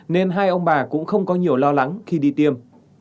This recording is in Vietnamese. nên hai ông bà cũng không có nhiều lo lắng khi đi tiêm